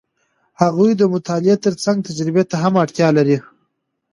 هغوی د مطالعې ترڅنګ تجربې ته هم اړتیا لري.